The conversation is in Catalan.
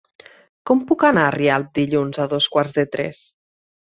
Com puc anar a Rialp dilluns a dos quarts de tres?